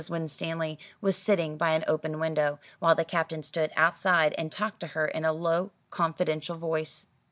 Winstanley was sitting by an open window, while the Captain stood outside and talked to her in a low confidential voice.